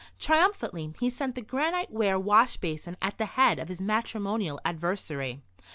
Triumphantly he sent the granite ware wash basin at the head of his matrimonial adversary.